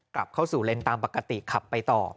กลับเข้าสู่เลนส์ตามปกติขับไปต่อ